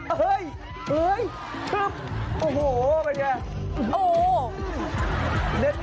โอ้โหเป็นอย่างไร